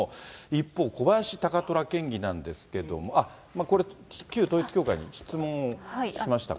一方、小林貴虎県議なんですけども、これ、旧統一教会に質問をしました。